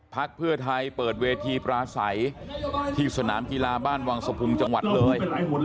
พักเพื่อไทยเปิดเวทีปราศัยที่สนามกีฬาบ้านวังสะพุงจังหวัดเลย